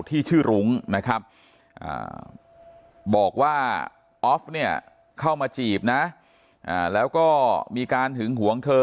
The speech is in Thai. ที่ชื่อรุ้งนะครับบอกว่าออฟเนี่ยเข้ามาจีบนะแล้วก็มีการหึงหวงเธอ